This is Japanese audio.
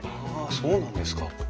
そうなんですか。